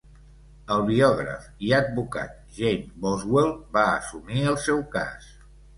El biògraf i advocat James Boswell va assumir el seu cas.